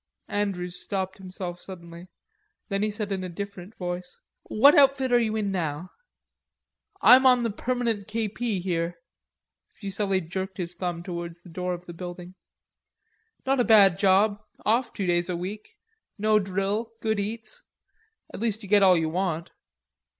Andrews stopped himself suddenly. Then he said in a different voice, "What outfit are you in now?" "I'm on the permanent K.P. here," Fuselli jerked his thumb towards the door of the building. "Not a bad job, off two days a week; no drill, good eats.... At least you get all you want....